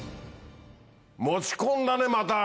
持ち込んだねまた。